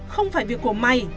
không phải việc của mày